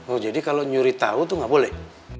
oh jadi kalau nyuri tau tuh gak boleh